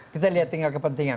kita lihat tinggal kepentingan